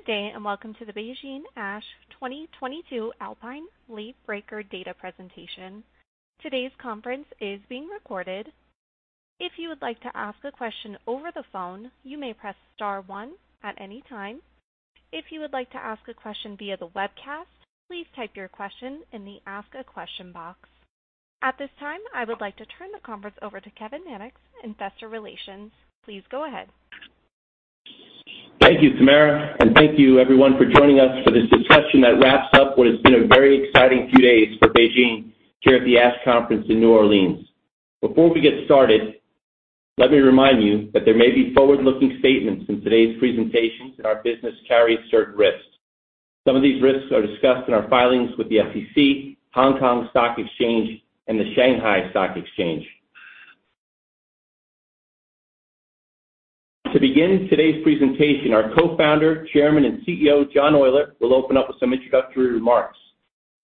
Good day, welcome to the BeiGene ASH 2022 ALPINE Late Breaker Data Presentation. Today's conference is being recorded. If you would like to ask a question over the phone, you may press star one at any time. If you would like to ask a question via the webcast, please type your question in the Ask a Question box. At this time, I would like to turn the conference over to Kevin Mannix, Investor Relations. Please go ahead. Thank you, Tamara, and thank you everyone for joining us for this discussion that wraps up what has been a very exciting few days for BeiGene here at the ASH conference in New Orleans. Before we get started, let me remind you that there may be forward-looking statements in today's presentation that our business carries certain risks. Some of these risks are discussed in our filings with the SEC, Hong Kong Stock Exchange, and the Shanghai Stock Exchange. To begin today's presentation, our Co-founder, Chairman, and CEO, John Oyler, will open up with some introductory remarks.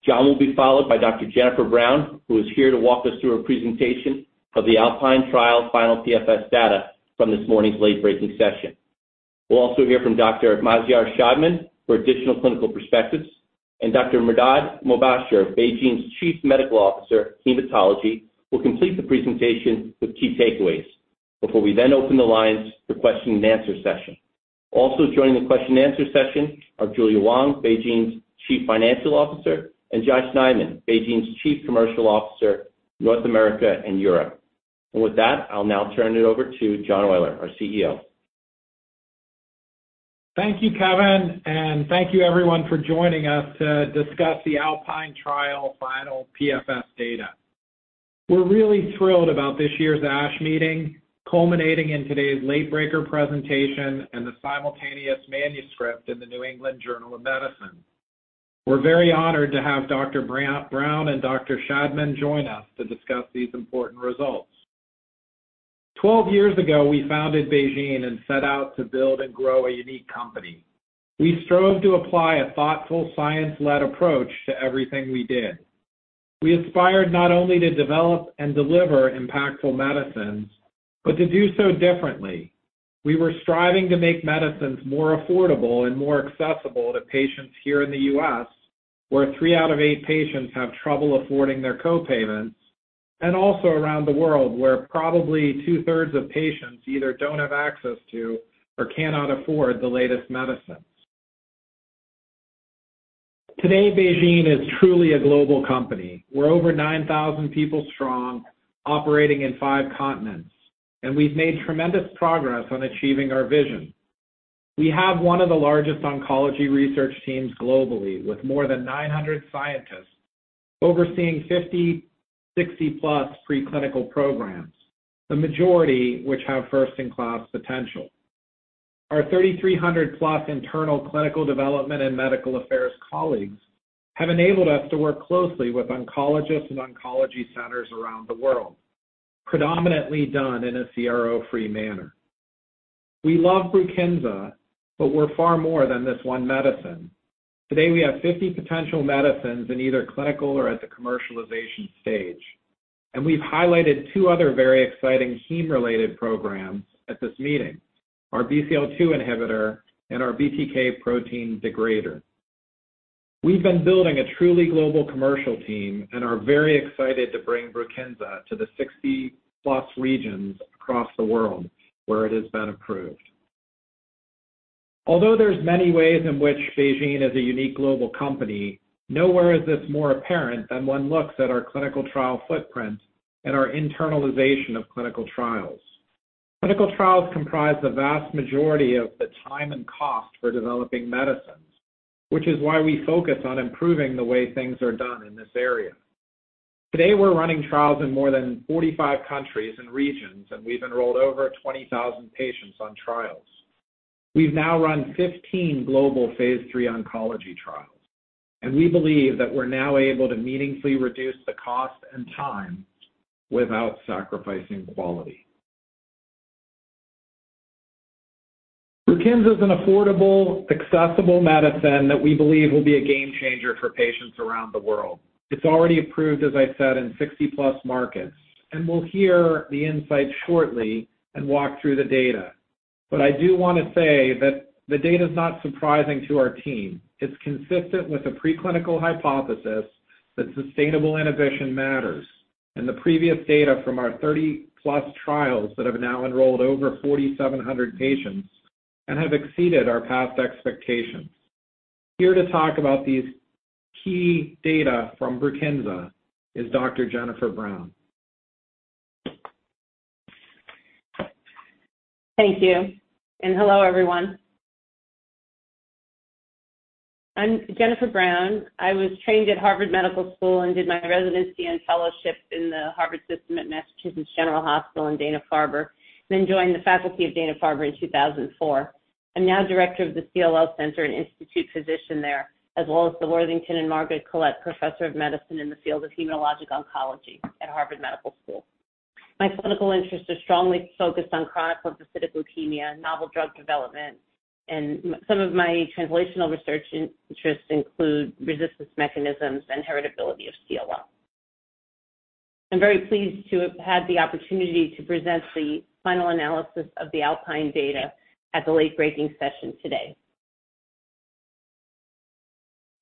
John will be followed by Dr. Jennifer Brown, who is here to walk us through a presentation of the ALPINE trial final PFS data from this morning's late-breaking session. We'll also hear from Dr. Mazyar Shadman for additional clinical perspectives. Mehrdad Mobasher, BeiGene's Chief Medical Officer, Hematology, will complete the presentation with key takeaways before we then open the lines for question and answer session. Also joining the question and answer session are Julia Wang, BeiGene's Chief Financial Officer, and Josh Neiman, BeiGene's Chief Commercial Officer, North America and Europe. With that, I'll now turn it over to John Oyler, our CEO. Thank you, Kevin, and thank you everyone for joining us to discuss the ALPINE trial final PFS data. We're really thrilled about this year's ASH meeting, culminating in today's Late Breaker presentation and the simultaneous manuscript in the New England Journal of Medicine. We're very honored to have Dr. Brown and Dr. Shadman join us to discuss these important results. 12 years ago, we founded BeiGene and set out to build and grow a unique company. We strove to apply a thoughtful, science-led approach to everything we did. We aspired not only to develop and deliver impactful medicines, but to do so differently. We were striving to make medicines more affordable and more accessible to patients here in the U.S., where three out of eight patients have trouble affording their co-payments, and also around the world, where probably 2/3 of patients either don't have access to or cannot afford the latest medicines. Today, BeiGene is truly a global company. We're over 9,000 people strong, operating in five continents, and we've made tremendous progress on achieving our vision. We have one of the largest oncology research teams globally, with more than 900 scientists overseeing 50, 60+ preclinical programs, the majority which have first-in-class potential. Our 3,300+ internal clinical development and medical affairs colleagues have enabled us to work closely with oncologists and oncology centers around the world, predominantly done in a CRO-free manner. We love BRUKINSA, but we're far more than this one medicine. Today, we have 50 potential medicines in either clinical or at the commercialization stage, and we've highlighted two other very exciting heme-related programs at this meeting: our BCL-2 inhibitor and our BTK protein degrader. We've been building a truly global commercial team and are very excited to bring BRUKINSA to the 60+ regions across the world where it has been approved. Although there's many ways in which BeiGene is a unique global company, nowhere is this more apparent than one looks at our clinical trial footprint and our internalization of clinical trials. Clinical trials comprise the vast majority of the time and cost for developing medicines, which is why we focus on improving the way things are done in this area. Today, we're running trials in more than 45 countries and regions, and we've enrolled over 20,000 patients on trials. We've now run 15 global phase III oncology trials; we believe that we're now able to meaningfully reduce the cost and time without sacrificing quality. BRUKINSA is an affordable, accessible medicine that we believe will be a gamechanger for patients around the world. It's already approved, as I said, in 60+ markets, we'll hear the insight shortly and walk through the data. I do want to say that the data is not surprising to our team. It's consistent with the preclinical hypothesis that sustainable inhibition matters. In the previous data from our 30+ trials that have now enrolled over 4,700 patients and have exceeded our past expectations. Here to talk about these key data from BRUKINSA is Dr. Jennifer Brown. Thank you. Hello, everyone. I'm Jennifer Brown. I was trained at Harvard Medical School and did my residency and fellowship in the Harvard system at Massachusetts General Hospital in Dana-Farber, then joined the faculty of Dana-Farber in 2004. I'm now Director of the CLL Center and Institute Physician there, as well as the Worthington and Margaret Collette Professor of Medicine in the field of Hematologic Oncology at Harvard Medical School. My clinical interests are strongly focused on Chronic Lymphocytic Leukemia, Novel Drug Development, and some of my translational research interests include resistance mechanisms and heritability of CLL. I'm very pleased to have had the opportunity to present the final analysis of the ALPINE data at the late breaking session today.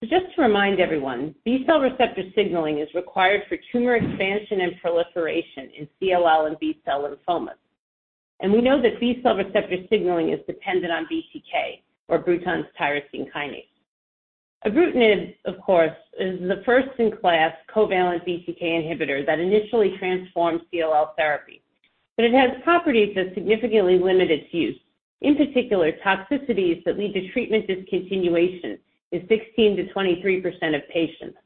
Just to remind everyone, B-cell receptor signaling is required for tumor expansion and proliferation in CLL and B-cell lymphomas. We know that B-cell receptor signaling is dependent on BTK or Bruton's Tyrosine Kinase. Ibrutinib, of course, is the first-in-class covalent BTK inhibitor that initially transformed CLL therapy. It has properties that significantly limit its use, in particular toxicities that lead to treatment discontinuation in 16%-23% of patients.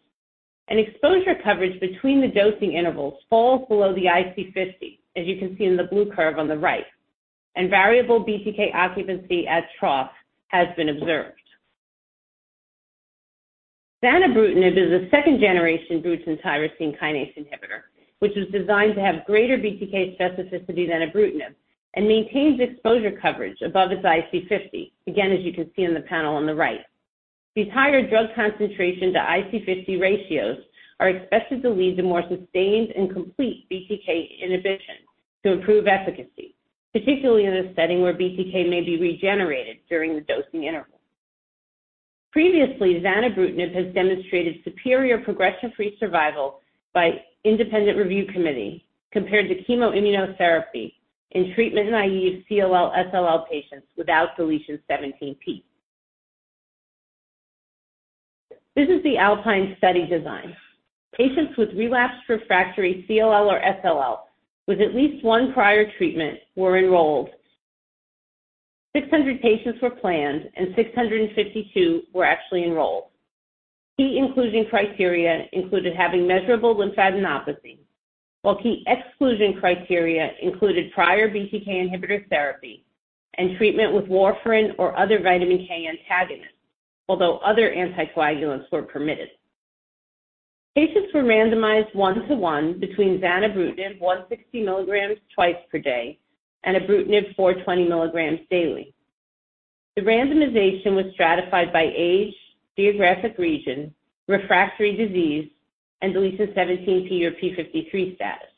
Exposure coverage between the dosing intervals falls below the IC₅₀, as you can see in the blue curve on the right. Variable BTK occupancy at trough has been observed. Zanubrutinib is a second-generation Bruton's Tyrosine Kinase inhibitor, which was designed to have greater BTK specificity than ibrutinib and maintains exposure coverage above its IC₅₀. Again, as you can see in the panel on the right. These higher drug concentration to IC₅₀ ratios are expected to lead to more sustained and complete BTK inhibition to improve efficacy, particularly in a setting where BTK may be regenerated during the dosing interval. Previously, zanubrutinib has demonstrated superior progression-free survival by independent review committee compared to chemoimmunotherapy in treatment-naive CLL SLL patients without del(17p). This is the ALPINE study design. Patients with relapsed refractory CLL or SLL with at least one prior treatment were enrolled. 600 patients were planned and 652 were actually enrolled. Key including criteria included having measurable lymphadenopathy, while key exclusion criteria included prior BTK inhibitor therapy and treatment with warfarin or other vitamin K antagonists, although other anticoagulants were permitted. Patients were randomized one-to-one between zanubrutinib 160 mg twice per day and ibrutinib 420 mg daily. The randomization was stratified by age, geographic region, refractory disease, and deletion 17p or TP53 status.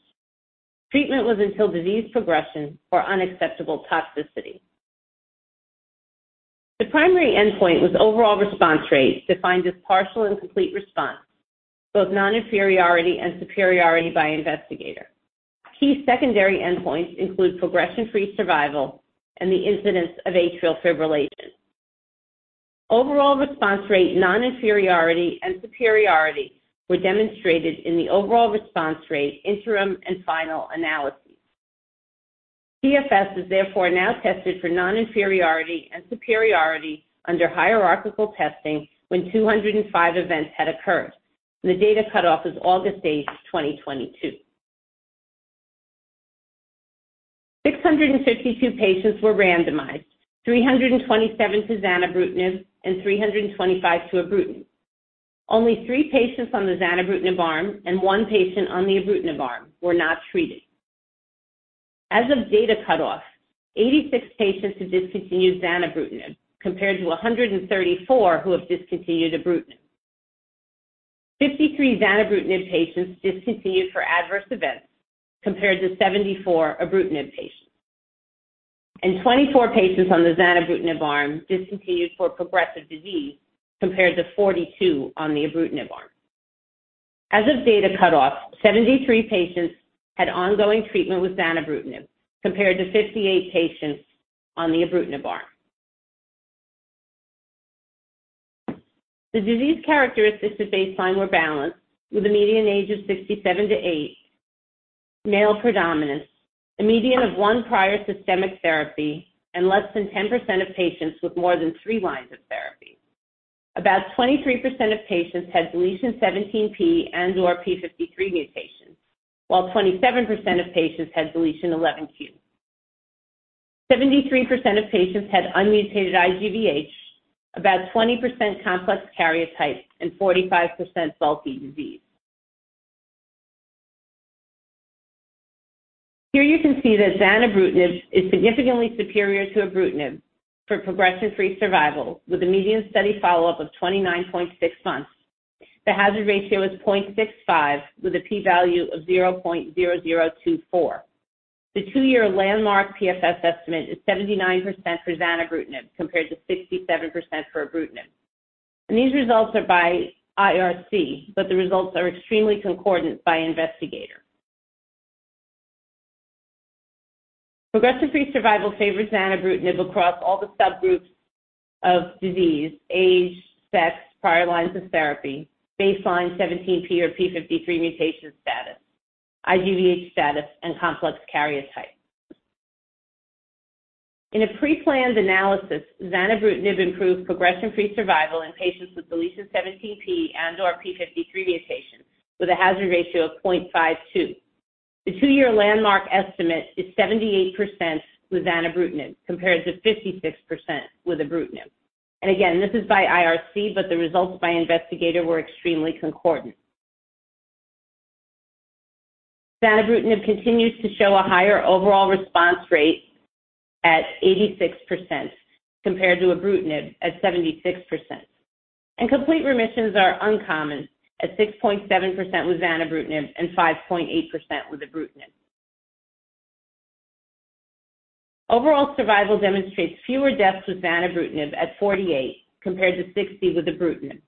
Treatment was until disease progression or unacceptable toxicity. The primary endpoint was overall response rate defined as partial and complete response, both non-inferiority and superiority by investigator. Key secondary endpoints include progression-free survival and the incidence of atrial fibrillation. Overall response rate non-inferiority and superiority were demonstrated in the overall response rate interim and final analysis. PFS is therefore now tested for non-inferiority and superiority under hierarchical testing when 205 events had occurred. The data cutoff is August 8th, 2022. 652 patients were randomized, 327 to zanubrutinib and 325 to ibrutinib. Only three patients on the zanubrutinib arm and one patient on the ibrutinib arm were not treated. As of data cutoff, 86 patients have discontinued zanubrutinib, compared to 134 who have discontinued ibrutinib. 53 zanubrutinib patients discontinued for adverse events, compared to 74 ibrutinib patients. 24 patients on the zanubrutinib arm discontinued for progressive disease, compared to 42 on the ibrutinib arm. As of data cutoff, 73 patients had ongoing treatment with zanubrutinib, compared to 58 patients on the ibrutinib arm. The disease characteristics at baseline were balanced with a median age of 67-80, male predominance, a median of one prior systemic therapy, and less than 10% of patients with more than three lines of therapy. About 23% of patients had del(17p) and/or TP53 mutations, while 27% of patients had del(11q). 73% of patients had unmutated IGVH, about 20% complex karyotype, and 45% bulky disease. Here you can see that zanubrutinib is significantly superior to ibrutinib for progression-free survival with a median study follow-up of 29.6 months. The hazard ratio is 0.65 with a P value of 0.0024. The two-year landmark PFS estimate is 79% for zanubrutinib compared to 67% for ibrutinib. These results are by IRC. The results are extremely concordant by investigator. Progression-free survival favors zanubrutinib across all the subgroups of disease: age, sex, prior lines of therapy, baseline 17p or TP53 mutation status, IGVH status, and complex karyotype. In a preplanned analysis, zanubrutinib improved progression-free survival in patients with deletion 17p and/or TP53 mutations with a hazard ratio of 0.52. The two-year landmark estimate is 78% with zanubrutinib compared to 56% with ibrutinib. Again, this is by IRC, but the results by investigator were extremely concordant. Zanubrutinib continues to show a higher overall response rate at 86% compared to ibrutinib at 76%. Complete remissions are uncommon at 6.7% with zanubrutinib and 5.8% with ibrutinib. Overall survival demonstrates fewer deaths with zanubrutinib at 48 compared to 60 with ibrutinib.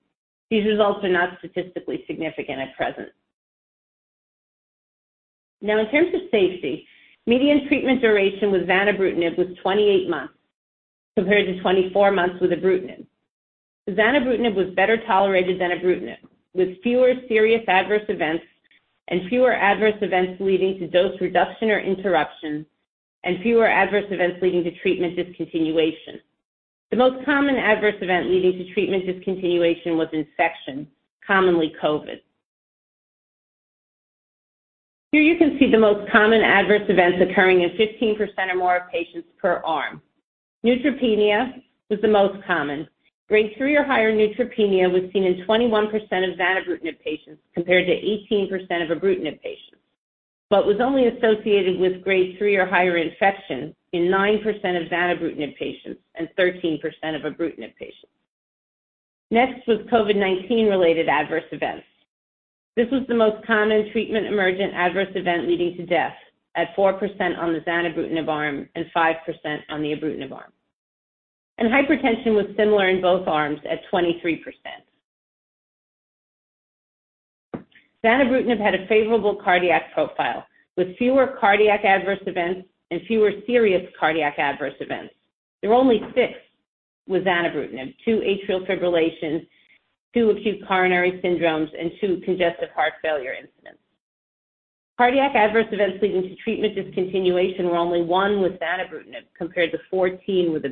These results are not statistically significant at present. In terms of safety, median treatment duration with zanubrutinib was 28 months compared to 24 months with ibrutinib. Zanubrutinib was better tolerated than ibrutinib, with fewer serious adverse events and fewer adverse events leading to dose reduction or interruption and fewer adverse events leading to treatment discontinuation. The most common adverse event leading to treatment discontinuation was infection, commonly COVID. Here you can see the most common adverse events occurring in 15% or more of patients per arm. Neutropenia was the most common. Grade three or higher neutropenia was seen in 21% of zanubrutinib patients compared to 18% of ibrutinib patients but was only associated with grade three or higher infection in 9% of zanubrutinib patients and 13% of ibrutinib patients. Next was COVID-19 related adverse events. This was the most common treatment emergent adverse event leading to death at 4% on the zanubrutinib arm and 5% on the ibrutinib arm. Hypertension was similar in both arms at 23%. Zanubrutinib had a favorable cardiac profile with fewer cardiac adverse events and fewer serious cardiac adverse events. There were only six with zanubrutinib, two atrial fibrillations, two acute coronary syndromes, and two congestive heart failure incidents. Cardiac adverse events leading to treatment discontinuation were only one with zanubrutinib compared to 14 with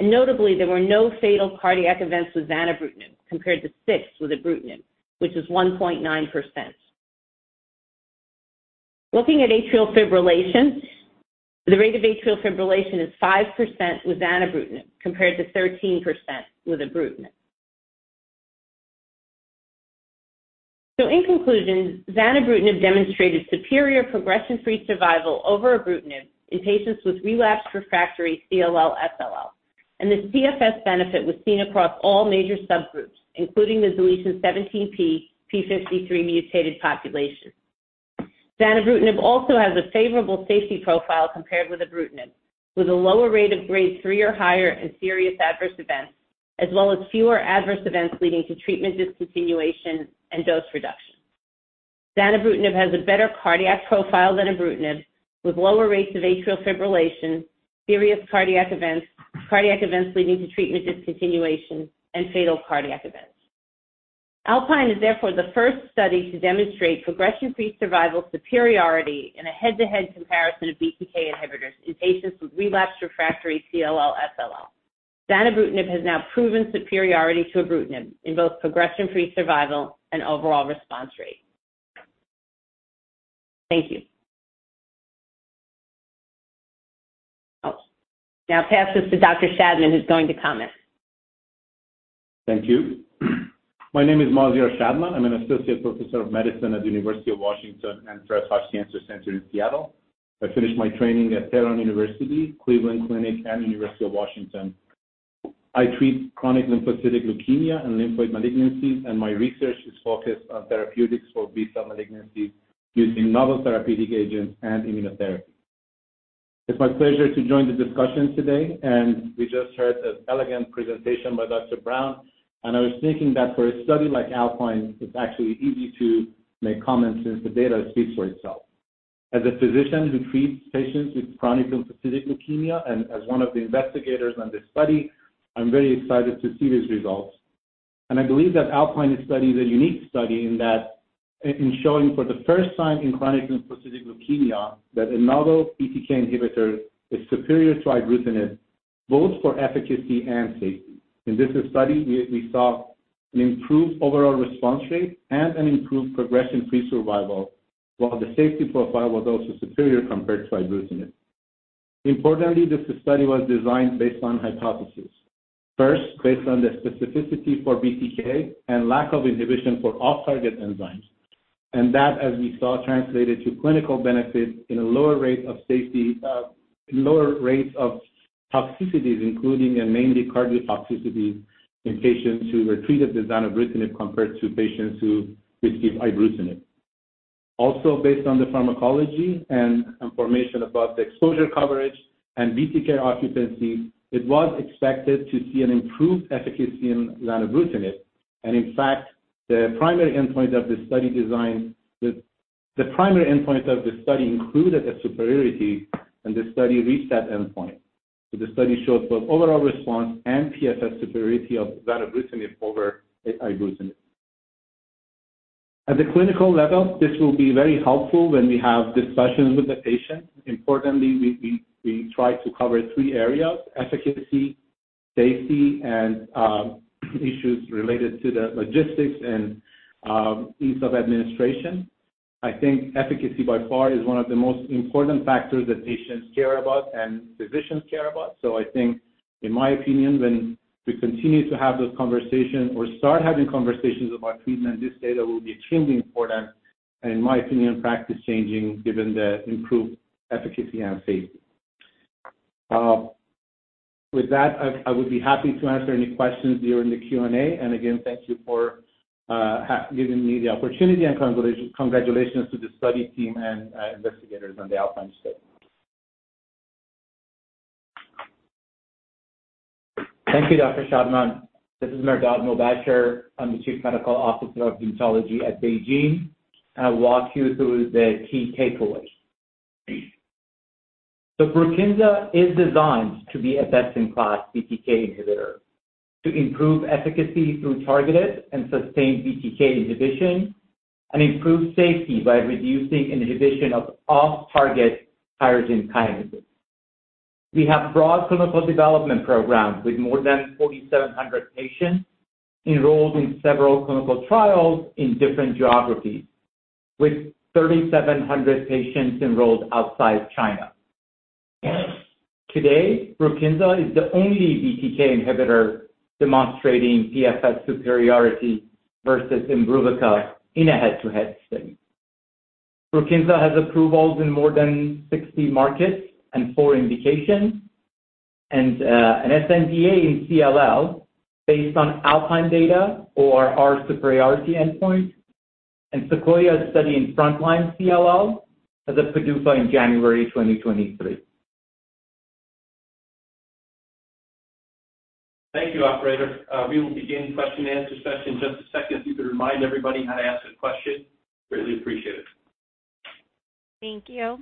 ibrutinib. Notably, there were no fatal cardiac events with zanubrutinib compared to six with ibrutinib, which is 1.9%. Looking at atrial fibrillation, the rate of atrial fibrillation is 5% with zanubrutinib compared to 13% with ibrutinib. In conclusion, zanubrutinib demonstrated superior progression-free survival over ibrutinib in patients with relapsed/refractory CLL/SLL. This PFS benefit was seen across all major subgroups, including the del(17p), TP53 mutated population. Zanubrutinib also has a favorable safety profile compared with ibrutinib, with a lower rate of grade three or higher in serious adverse events, as well as fewer adverse events leading to treatment discontinuation and dose reduction. Zanubrutinib has a better cardiac profile than ibrutinib with lower rates of atrial fibrillation, serious cardiac events, cardiac events leading to treatment discontinuation, and fatal cardiac events. ALPINE is therefore the first study to demonstrate progression-free survival superiority in a head-to-head comparison of BTK inhibitors in patients with relapsed/refractory CLL/SLL. Zanubrutinib has now proven superiority to ibrutinib in both progression-free survival and overall response rate. Thank you. I'll now pass this to Dr. Shadman, who's going to comment. Thank you. My name is Mazyar Shadman. I'm an associate professor of medicine at the University of Washington and Fred Hutchinson Cancer Center in Seattle. I finished my training at Tehran University, Cleveland Clinic, and University of Washington. I treat Chronic Lymphocytic Leukemia and lymphoid malignancies. My research is focused on therapeutics for B-cell malignancies using novel therapeutic agents and immunotherapy. It's my pleasure to join the discussion today. We just heard an elegant presentation by Dr. Brown. I was thinking that for a study like ALPINE, it's actually easy to make comments since the data speaks for itself. As a physician who treats patients with Chronic Lymphocytic Leukemia and as one of the investigators on this study, I'm very excited to see these results. I believe that ALPINE study is a unique study in that in showing for the first time in Chronic Lymphocytic Leukemia that a novel BTK inhibitor is superior to ibrutinib both for efficacy and safety. In this study, we saw an improved overall response rate and an improved progression-free survival, while the safety profile was also superior compared to ibrutinib. Importantly, this study was designed based on hypothesis. First, based on the specificity for BTK and lack of inhibition for off-target enzymes, and that, as we saw, translated to clinical benefit in a lower rate of safety, lower rates of toxicities, including and mainly cardiotoxicity in patients who were treated with zanubrutinib compared to patients who received ibrutinib. Also, based on the pharmacology and information about the exposure coverage and BTK occupancy, it was expected to see an improved efficacy in zanubrutinib. In fact, the primary endpoint of the study design. The primary endpoint of the study included a superiority, and the study reached that endpoint. The study showed both overall response and PFS superiority of zanubrutinib over ibrutinib. At the clinical level, this will be very helpful when we have discussions with the patient. Importantly, we try to cover three areas: efficacy, safety, and issues related to the logistics and ease of administration. I think efficacy by far is one of the most important factors that patients care about and physicians care about. I think. In my opinion, when we continue to have those conversations or start having conversations about treatment, this data will be extremely important, and in my opinion, practice-changing given the improved efficacy and safety. With that, I would be happy to answer any questions during the Q&A. Again, thank you for giving me the opportunity, and congratulations to the study team and investigators on the ALPINE study. Thank you, Dr. Shadman. This is Mehrdad Mobasher. I'm the Chief Medical Officer of Oncology at BeiGene, and I'll walk you through the key takeaways. BRUKINSA is designed to be a best-in-class BTK inhibitor to improve efficacy through targeted and sustained BTK inhibition and improve safety by reducing inhibition of off-target tyrosine kinases. We have broad clinical development programs with more than 4,700 patients enrolled in several clinical trials in different geographies, with 3,700 patients enrolled outside China. Today, BRUKINSA is the only BTK inhibitor demonstrating PFS superiority versus Imbruvica in a head-to-head study. BRUKINSA has approvals in more than 60 markets and four indications and an sNDA in CLL based on ALPINE data or our superiority endpoint. SEQUOIA study in frontline CLL has a PDUFA in January 2023. Thank you. Operator, we will begin question and answer session in just a second. If you could remind everybody how to ask a question. Greatly appreciate it. Thank you.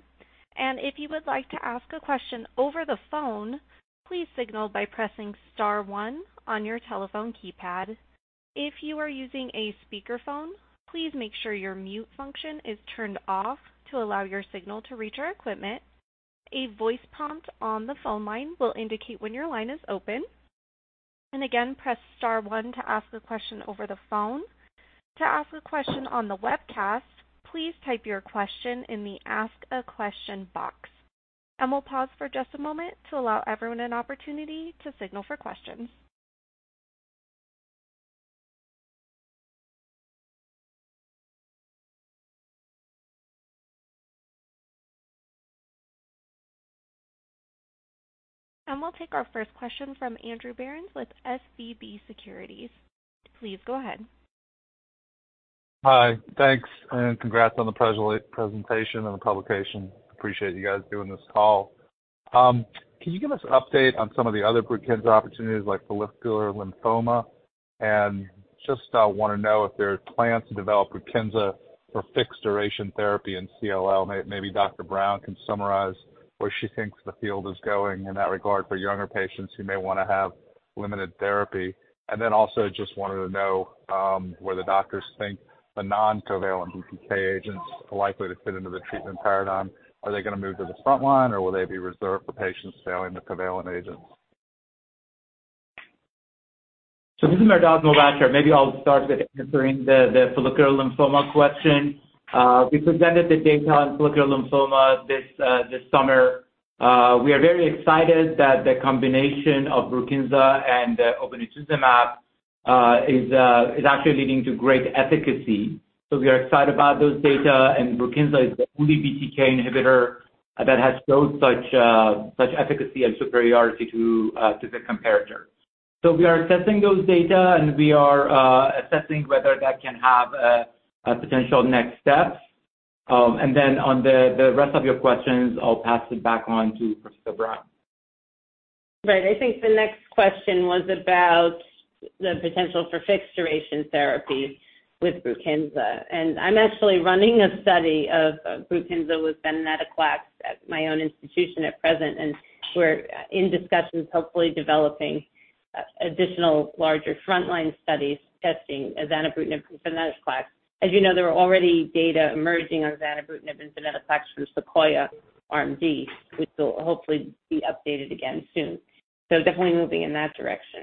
If you would like to ask a question over the phone, please signal by pressing star one on your telephone keypad. If you are using a speakerphone, please make sure your mute function is turned off to allow your signal to reach our equipment. A voice prompt on the phone line will indicate when your line is open. Again, press star one to ask a question over the phone. To ask a question on the webcast, please type your question in the ask a question box. We'll pause for just a moment to allow everyone an opportunity to signal for questions. We'll take our first question from Andrew Berens with SVB Securities. Please go ahead. Hi. Thanks, and congrats on the presentation and the publication. Appreciate you guys doing this call. Can you give us an update on some of the other BRUKINSA opportunities like follicular lymphoma? Just wanna know if there are plans to develop BRUKINSA for fixed-duration therapy in CLL. Maybe Dr. Brown can summarize where she thinks the field is going in that regard for younger patients who may wanna have limited therapy. Then also just wanted to know where the doctors think the non-covalent BTK agents are likely to fit into the treatment paradigm. Are they gonna move to the front line, or will they be reserved for patients failing the covalent agents? This is Mehrdad Mobasher. Maybe I'll start with answering the Follicular Lymphoma question. We presented the data on Follicular Lymphoma this summer. We are very excited that the combination of BRUKINSA and obinutuzumab is actually leading to great efficacy. We are excited about those data, and BRUKINSA is the only BTK inhibitor that has showed such efficacy and superiority to the comparator. We are assessing those data, and we are assessing whether that can have a potential next step. Then on the rest of your questions, I'll pass it back on to Professor Brown. Right. I think the next question was about the potential for fixed-duration therapy with BRUKINSA. I'm actually running a study of BRUKINSA with venetoclax at my own institution at present. We're in discussions, hopefully developing additional larger frontline studies testing zanubrutinib and venetoclax. As you know, there are already data emerging on zanubrutinib and venetoclax from SEQUOIA RMD, which will hopefully be updated again soon. Definitely moving in that direction.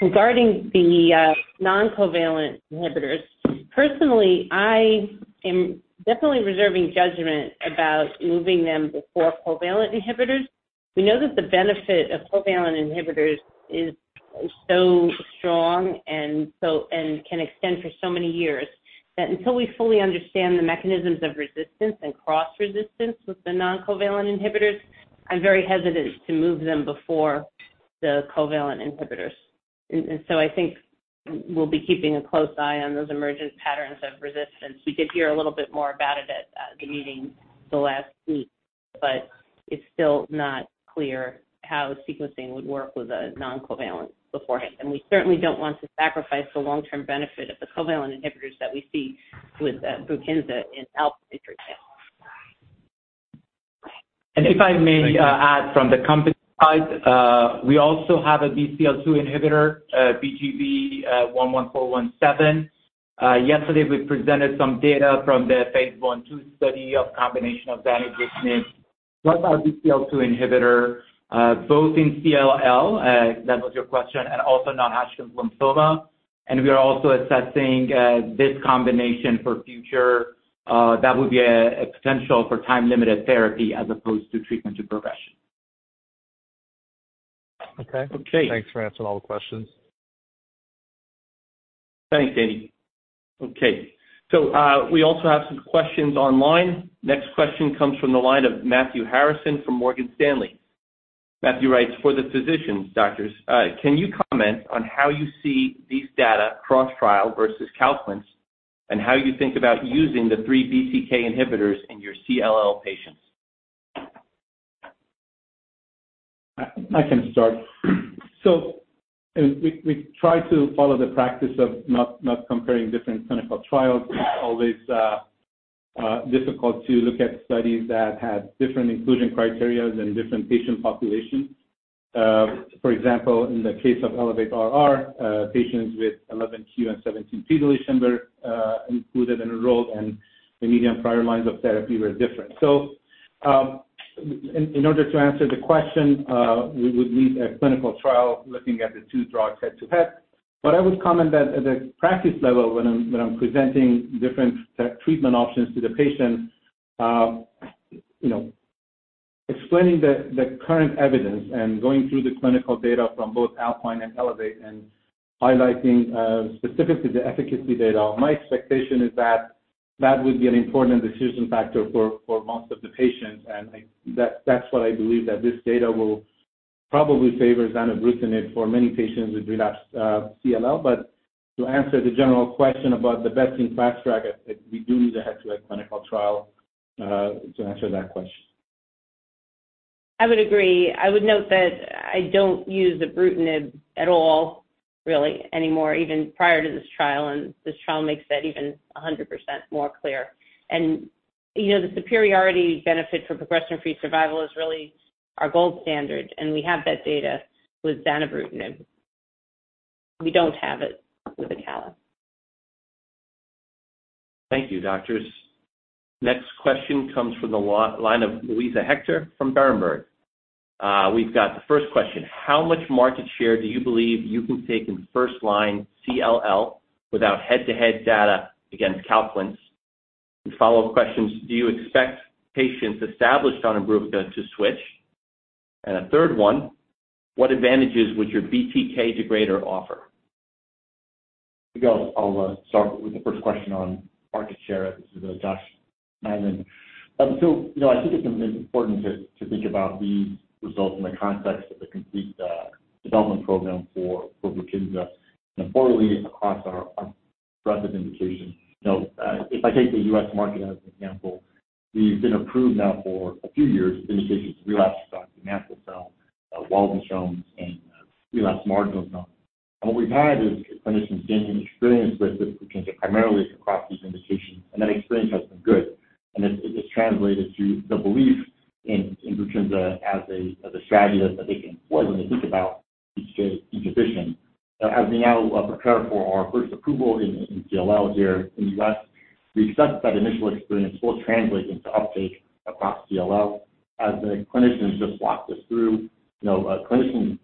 Regarding the non-covalent inhibitors, personally, I am definitely reserving judgment about moving them before covalent inhibitors. We know that the benefit of covalent inhibitors is so strong and can extend for so many years that until we fully understand the mechanisms of resistance and cross-resistance with the non-covalent inhibitors, I'm very hesitant to move them before the covalent inhibitors. I think we'll be keeping a close eye on those emergent patterns of resistance. We did hear a little bit more about it at the meeting the last week, but it's still not clear how sequencing would work with a non-covalent beforehand. We certainly don't want to sacrifice the long-term benefit of the covalent inhibitors that we see with BRUKINSA in ALPINE, for example. If I may, add from the company side, we also have a BCL-2 inhibitor, BGB 11417. Yesterday we presented some data from the phase I/II study of combination of zanubrutinib plus our BCL-2 inhibitor, both in CLL, if that was your question, and also non-Hodgkin lymphoma. We are also assessing this combination for future, that would be a potential for time-limited therapy as opposed to treatment to progression. Okay. Okay. Thanks for answering all the questions. Thanks, Berens. Okay. We also have some questions online. Next question comes from the line of Matthew Harrison from Morgan Stanley. Matthew writes: For the physicians, doctors, can you comment on how you see these data cross-trial versus CALQUENCE, and how you think about using the three BTK inhibitors in your CLL patients? I can start. We try to follow the practice of not comparing different clinical trials. It's always difficult to look at studies that have different inclusion criteria and different patient populations. For example, in the case of ELEVATE-RR, patients with 11q and 17p deletion were included and enrolled, and the median prior lines of therapy were different. In order to answer the question, we would need a clinical trial looking at the two drugs head-to-head. I would comment that at the practice level, when I'm, when I'm presenting different treatment options to the patient, you know, explaining the current evidence and going through the clinical data from both ALPINE and ELEVATE and highlighting, specifically the efficacy data, my expectation is that that would be an important decision factor for most of the patients. I think that's what I believe that this data will probably favor zanubrutinib for many patients with relapsed, CLL. To answer the general question about the best-in-class drug, I think we do need a head-to-head clinical trial to answer that question. I would agree. I would note that I don't use ibrutinib at all really anymore, even prior to this trial. This trial makes that even 100% more clear. You know, the superiority benefit for progression-free survival is really our gold standard, and we have that data with zanubrutinib. We don't have it with acalab. Thank you, doctors. Next question comes from the line of Luisa Hector from Berenberg. We've got the first question. How much market share do you believe you can take in first-line CLL without head-to-head data against CALQUENCE? The follow-up questions, do you expect patients established on Imbruvica to switch? A third one, what advantages would your BTK degrader offer? I'll go. I'll start with the first question on market share. This is Josh Neiman. So, you know, I think it's important to think about these results in the context of the complete development program for BRUKINSA. Importantly, across our breadth of indications. You know, if I take the U.S. market as an example, we've been approved now for a few years for indications in relapsed or refractory mantle cell, Waldenström's, and relapsed marginal zone. What we've had is clinicians gaining experience with BRUKINSA primarily across these indications, and that experience has been good. It has translated to the belief in BRUKINSA as a strategy that they can employ when they think about each patient. As we now prepare for our first approval in CLL here in the U.S., we expect that initial experience will translate into uptake across CLL. As the clinicians just walked us through, you know, a clinician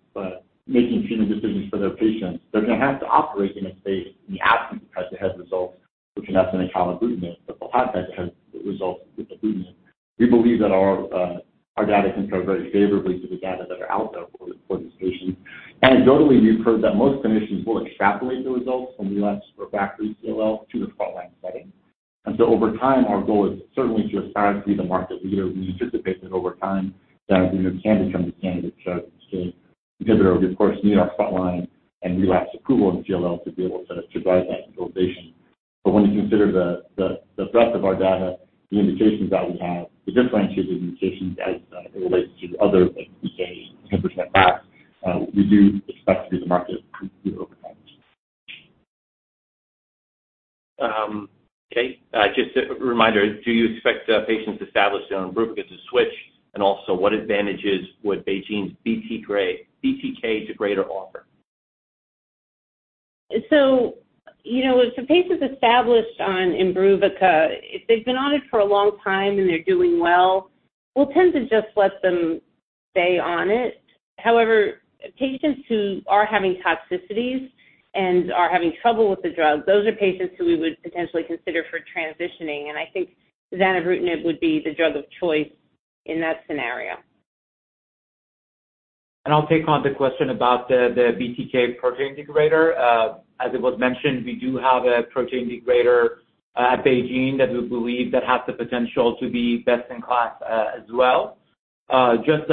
making treatment decisions for their patients, they're gonna have to operate in a space in the absence of head-to-head results, which have been acalabrutinib, but they'll have head-to-head results with ibrutinib. We believe that our data compare very favorably to the data that are out there for these patients. Anecdotally, we've heard that most clinicians will extrapolate the results from the U.S. for factory CLL to the frontline setting. Over time, our goal is certainly to aspire to be the market leader. We anticipate that over time, zanubrutinib can become the standard of care inhibitor. We, of course, need our frontline and relapsed approval in CLL to be able to drive that utilization. When you consider the breadth of our data, the indications that we have, the differentiated indications as it relates to other BTK inhibitors at that, we do expect to be the market leader over time. Okay. Just a reminder, do you expect patients established on Imbruvica to switch? What advantages would BeiGene's BTK degrader offer? You know, if the patient's established on Imbruvica, if they've been on it for a long time and they're doing well, we'll tend to just let them stay on it. However, patients who are having toxicities and are having trouble with the drug, those are patients who we would potentially consider for transitioning, and I think zanubrutinib would be the drug of choice in that scenario. I'll take on the question about the BTK protein degrader. As it was mentioned, we do have a protein degrader at BeiGene that we believe that has the potential to be best in class as well. Just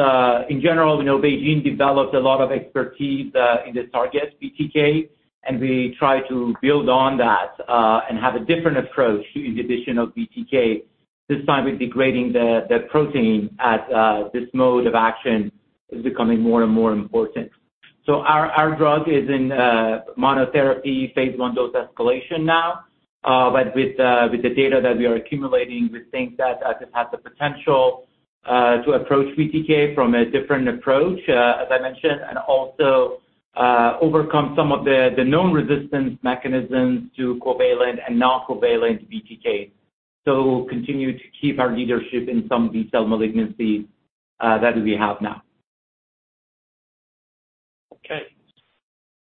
in general, you know, BeiGene develops a lot of expertise in this target BTK, and we try to build on that and have a different approach to inhibition of BTK. This time, we're degrading the protein as this mode of action is becoming more and more important. Our drug is in monotherapy phase I dose escalation now. With the data that we are accumulating, we think that this has the potential to approach BTK from a different approach, as I mentioned, and also overcome some of the known resistance mechanisms to covalent and non-covalent BTK. Continue to keep our leadership in some B-cell malignancy that we have now. Okay.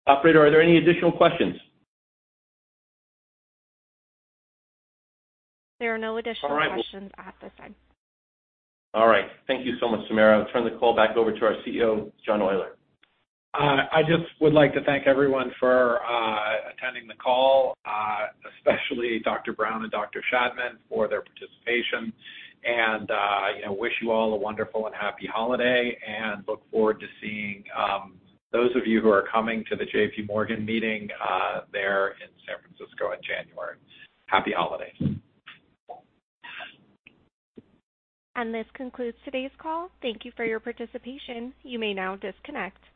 Operator, are there any additional questions? There are no additional questions at this time. Thank you so much, Tamara. I'll turn the call back over to our CEO, John Oyler. I just would like to thank everyone for attending the call, especially Dr. Brown and Dr. Shadman for their participation and, you know, wish you all a wonderful and happy holiday and look forward to seeing those of you who are coming to the JP Morgan meeting there in San Francisco in January. Happy holidays. This concludes today's call. Thank you for your participation. You may now disconnect.